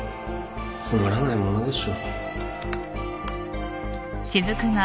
つまらないものでしょ